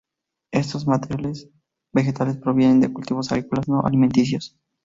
Estos materiales vegetales provienen de cultivos agrícolas no alimenticios.